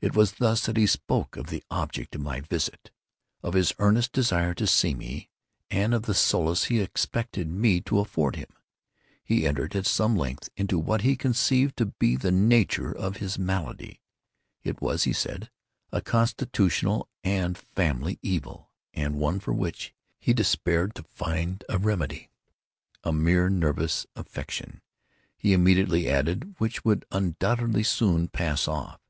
It was thus that he spoke of the object of my visit, of his earnest desire to see me, and of the solace he expected me to afford him. He entered, at some length, into what he conceived to be the nature of his malady. It was, he said, a constitutional and a family evil, and one for which he despaired to find a remedy—a mere nervous affection, he immediately added, which would undoubtedly soon pass off.